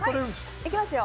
行きますよ